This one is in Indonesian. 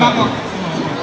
bapok kemana terbang